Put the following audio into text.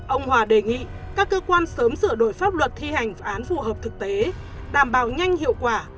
ông hòa đề nghị các cơ quan sớm sửa đổi pháp luật thi hành án phù hợp thực tế đảm bảo nhanh hiệu quả